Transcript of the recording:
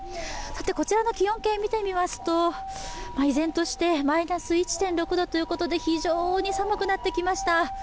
こちらの気温計を見てみますと、依然としてマイナス１．６度ということで非常に寒くなってきました。